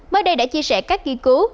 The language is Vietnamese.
mới đây đã chia sẻ các nghiên cứu